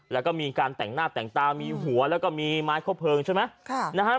แล้วก็มีการแต่งหน้าแต่งตามีหัวแล้วก็มีไม้คบเพลิงใช่ไหม